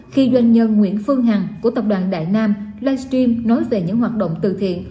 khi doanh nhân nguyễn phương hằng của tập đoàn đại nam livestream nói về những hoạt động từ thiện